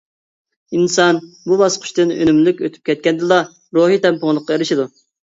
ئىنسان بۇ باسقۇچتىن ئۈنۈملۈك ئۆتۈپ كەتكەندىلا، روھىي تەڭپۇڭلۇققا ئېرىشىدۇ.